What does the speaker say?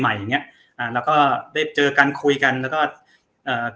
อย่างเงี้ยอ่าแล้วก็ได้เจอกันคุยกันแล้วก็เอ่อ